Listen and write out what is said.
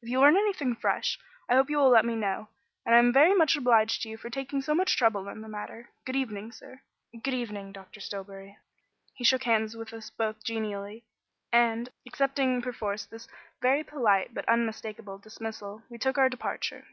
If you learn anything fresh, I hope you will let me know; and I am very much obliged to you for taking so much trouble in the matter. Good evening sir. Good evening, Dr. Stillbury." He shook hands with us both genially, and, accepting perforce this very polite but unmistakable dismissal, we took our departure.